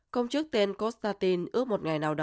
công chức tên kostatin ước một ngày nào đó